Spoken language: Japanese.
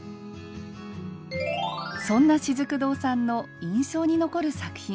そんなしずく堂さんの印象に残る作品。